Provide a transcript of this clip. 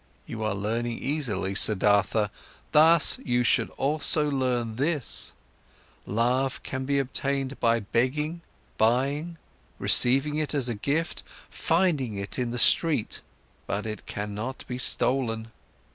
You are learning easily, Siddhartha, thus you should also learn this: love can be obtained by begging, buying, receiving it as a gift, finding it in the street, but it cannot be stolen.